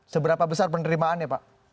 seberapa besar penerimaan ya pak